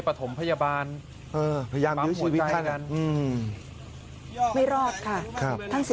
กลุ่มหนึ่งก็คือ